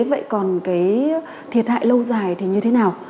vậy còn cái thiệt hại lâu dài thì như thế nào